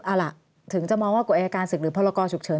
เอาล่ะถึงจะมองว่ากฎอายการศึกหรือพรกรฉุกเฉิน